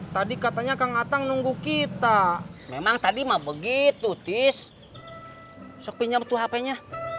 tadi katanya kang atang nunggu kita memang tadi mau begitu tis sepinjam tuh hpnya